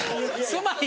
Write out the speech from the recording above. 「すまん」